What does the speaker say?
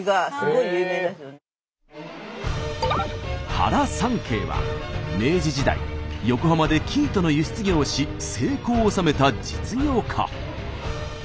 原三溪は明治時代横浜で生糸の輸出業をし成功を収めた実業家。